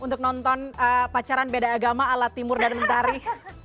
untuk nonton pacaran beda agama ala timur dan mentari